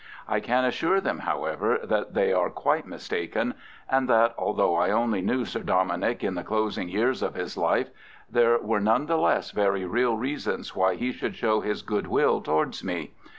I can assure them, however, that they are quite mistaken, and that, although I only knew Sir Dominick in the closing years of his life, there were none the less very real reasons why he should show his goodwill towards me.